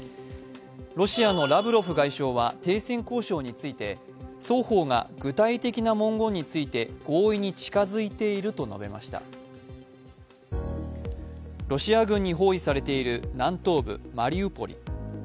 ロシアのラブロフ外相は停戦交渉について、双方が具体的な文言について合意に近づいていると述べましたロシア軍に包囲されている南東部マリウポリ。